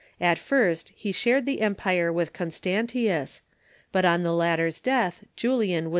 At first be sbared tbe empire witb Constantius, but on tbe latter's deatb Julian was ,■, r